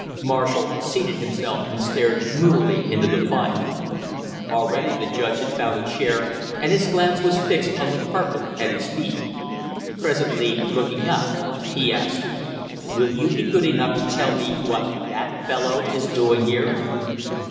Marshall seated himself and stared moodily into the fire. Already the judge had found a chair and his glance was fixed on the carpet at his feet. Presently looking up he asked: "Will you be good enough to tell me what that fellow is doing here?"